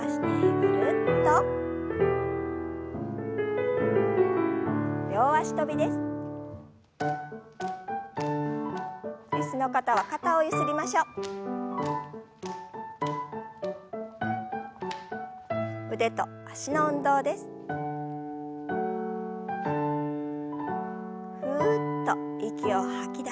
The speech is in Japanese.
ふっと息を吐き出しながら。